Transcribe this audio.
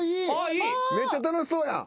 めっちゃ楽しそうやん。